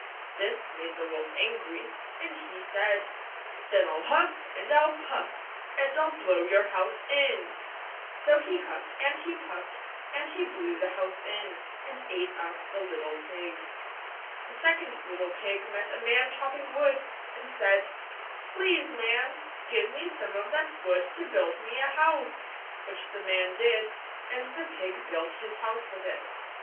This made the wolf angry, and he said, — "Then 1 11 huff, and 1 11 puff, and I'll blow your house in !' So he huffed, and he puffed, and he blew the house in, and ate up the little pig. THE THREE LITTLE PIGS. The second little pig met a man chopping wood, and said, " Please, man, give me some of that wood to build me a house which the man did, and the pig built his house with it.